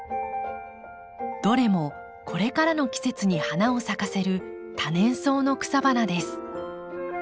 どれもこれからの季節に花を咲かせる多年草の草花です。